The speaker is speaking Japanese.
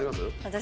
私